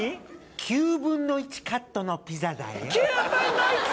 ９分の１カットのピザだよ９分の１！？